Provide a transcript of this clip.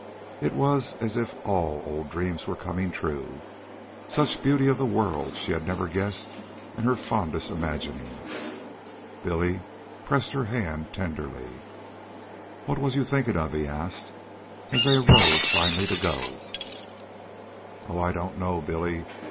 It was as if all old dreams were coming true. Such beauty of the world she had never guessed in her fondest imagining. Billy pressed her hand tenderly. "What was you thinkin' of?" he asked, as they arose finally to go. "Oh, I don't know, Billy.